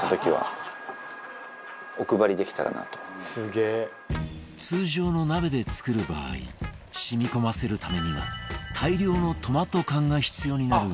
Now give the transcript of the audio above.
「すげえ」通常の鍋で作る場合染み込ませるためには大量のトマト缶が必要になるが